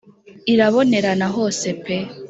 irabonerana hose pe